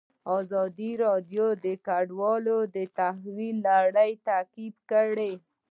ازادي راډیو د کډوال د تحول لړۍ تعقیب کړې.